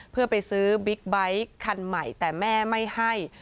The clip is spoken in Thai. เพื่อไปซื้อบิ๊กไบท์คันใหม่แต่แม่ไม่ให้